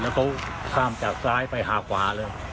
แล้วเขาข้ามจากซ้ายไปหาขวาเลย